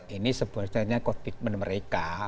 ini sebetulnya komitmen mereka